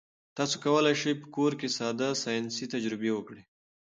تاسي کولای شئ په کور کې ساده ساینسي تجربې وکړئ.